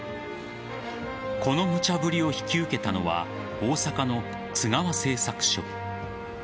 この無茶ぶりを引き受けたのは大阪の津川製作所。